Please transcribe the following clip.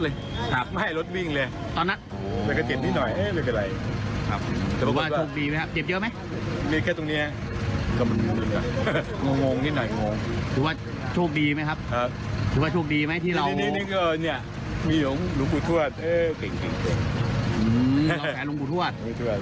อื้อแหละหลวงปู่ทวด